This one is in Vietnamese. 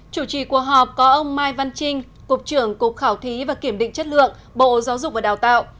chủ trì cuộc họp có ông mai văn trinh cục trưởng cục khảo thí và kiểm định chất lượng bộ giáo dục và đào tạo